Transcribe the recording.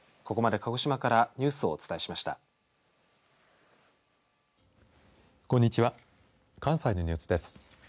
関西のニュースです。